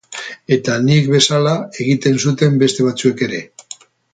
Eta nik bezala egiten zuten beste batzuek ere.